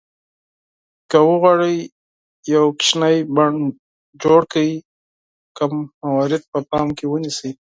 که وغواړئ یو کوچنی بڼ جوړ کړئ کوم موارد په پام کې ونیسئ.